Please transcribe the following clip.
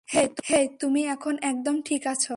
হেই, তুমি এখন একদম ঠিক আছো।